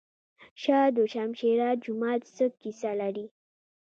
شاه دوشمشیره جومات څه کیسه لري؟